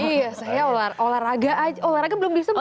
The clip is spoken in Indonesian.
iya saya olahraga aja olahraga belum disebut ya